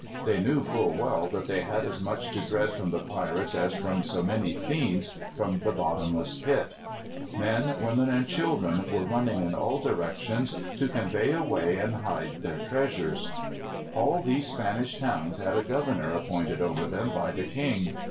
They knew full well that they had as much to dread from the pirates as from so many fiends from the bottomless pit. Men, women, and children were running in all directions to convey away and hide their treasures. All these Spanish towns had a governor appointed over them by the king.